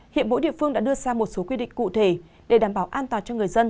hiện mỗi địa phương đã đưa ra một số quy định cụ thể để đảm bảo an toàn cho người dân